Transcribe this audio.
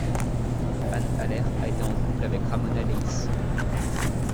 Hanne Haller a été en couple avec Ramona Leiss.